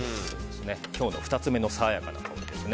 今日の２つ目の爽やかな香りです。